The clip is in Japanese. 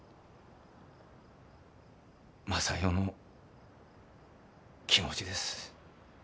昌代の気持ちです。